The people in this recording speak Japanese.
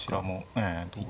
ええ。